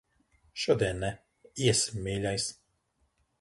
Šodien ne. Iesim, mīļais.